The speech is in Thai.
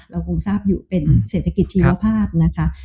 เราคงทราบอยู่เป็นเศรษฐกิจชีวภาพนะคะ